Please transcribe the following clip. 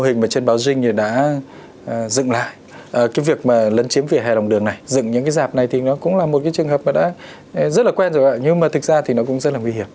hình ở trên báo dinh thì đã dựng lại cái việc mà lấn chiếm vỉa hè lòng đường này dựng những cái dạp này thì nó cũng là một cái trường hợp mà đã rất là quen rồi nhưng mà thực ra thì nó cũng rất là nguy hiểm